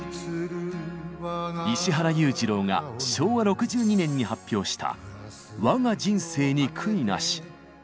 石原裕次郎が昭和６２年に発表した「わが人生に悔いなし」。